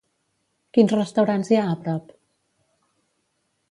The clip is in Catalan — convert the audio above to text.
Quins restaurants hi ha a prop?